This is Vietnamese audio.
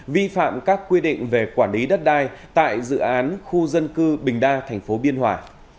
vi phạm các quy định về quản lý đất đai tại dự án khu dân cư bình đa thành phố biên hòa